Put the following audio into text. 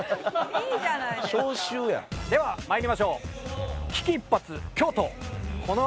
では参りましょう。